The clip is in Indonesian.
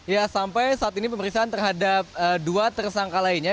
ya sampai saat ini pemeriksaan terhadap dua tersangka lainnya